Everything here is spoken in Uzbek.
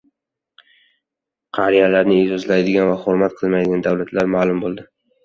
Qariyalarni e’zozlaydigan va hurmat qilmaydigan davlatlar ma’lum bo‘ldi